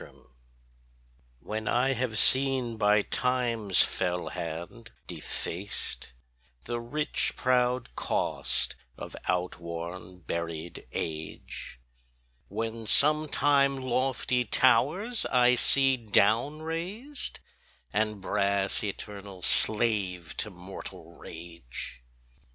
64 When I have seen by Time's fell hand defaced The rich proud cost of outworn buried age, When sometime lofty towers I see down rased, And brass eternal slave to mortal rage.